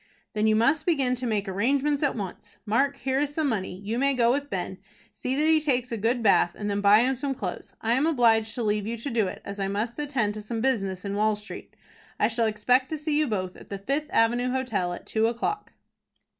"Then you must begin to make arrangements at once. Mark, here is some money. You may go with Ben, see that he takes a good bath, and then buy him some clothes. I am obliged to leave you to do it, as I must attend to some business in Wall Street. I shall expect to see you both at the Fifth Avenue Hotel at two o'clock."